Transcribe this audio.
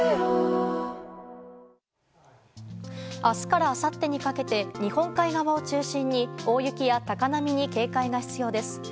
明日からあさってにかけて日本海側を中心に大雪や高波に警戒が必要です。